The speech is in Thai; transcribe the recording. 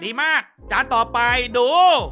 ดีมากจานต่อไปดู